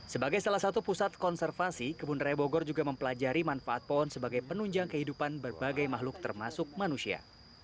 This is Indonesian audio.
sebagai salah satu pusat konservasi kebun raya bogor juga mempelajari manfaat pohon sebagai penunjang kehidupan berbagai makhluk termasuk manusia